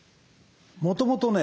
もともとね